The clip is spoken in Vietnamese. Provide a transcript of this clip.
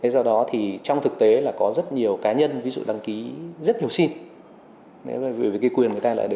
do đó trong thực tế là có rất nhiều cá nhân đăng ký rất nhiều sim